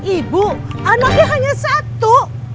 ibu anaknya hanya satu